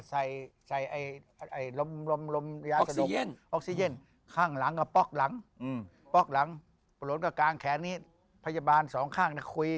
เอาเดี๋ยวหายไปเลย